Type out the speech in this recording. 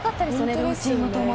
両チームとも。